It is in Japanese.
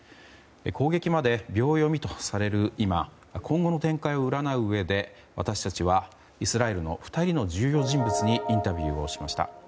攻撃まで秒読みとされる今今後の展開を占ううえで私たちはイスラエルの２人の重要人物にインタビューをしました。